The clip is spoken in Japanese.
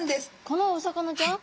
このお魚ちゃん？